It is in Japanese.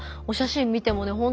お写真見てもね